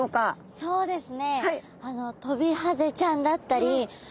そうですね。